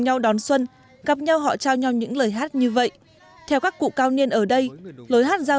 nhau đón xuân gặp nhau họ trao nhau những lời hát như vậy theo các cụ cao niên ở đây lối hát giao